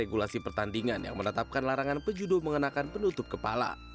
regulasi pertandingan yang menetapkan larangan pejudul mengenakan penutup kepala